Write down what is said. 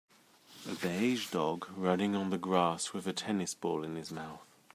a beige dog running on the grass with a tennis ball in his mouth